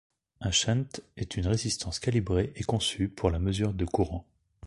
Un shunt est une résistance calibrée et conçue pour la mesure de courants.